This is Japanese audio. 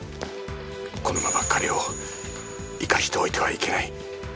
このまま彼を生かしておいてはいけない。